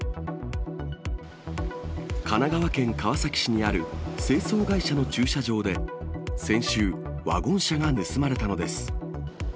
神奈川県川崎市にある清掃会社の駐車場で先週、ワゴン車が盗まれたのです。